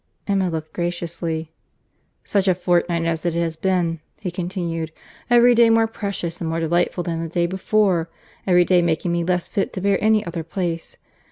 Emma looked graciously. "Such a fortnight as it has been!" he continued; "every day more precious and more delightful than the day before!—every day making me less fit to bear any other place.